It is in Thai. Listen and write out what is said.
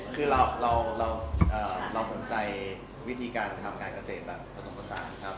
คือเราสนใจวิธีการทำการเกษตรแบบผสมผสานครับ